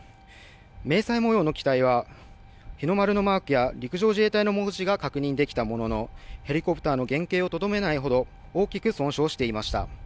迷彩模様の機体は、日の丸のマークや陸上自衛隊の文字が確認できたものの、ヘリコプターの原形をとどめないほど、大きく損傷していました。